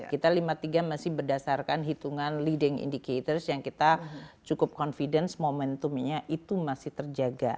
kita lima tiga masih berdasarkan hitungan leading indicators yang kita cukup confidence momentumnya itu masih terjaga